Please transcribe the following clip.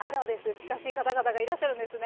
近しい方々がいらっしゃるんですね。